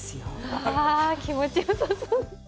わあ気持ち良さそう。